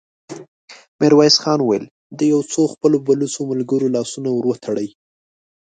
ميرويس خان وويل: د يو څو خپلو بلوڅو ملګرو لاسونه ور وتړئ!